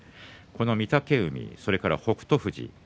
御嶽海、それから北勝富士。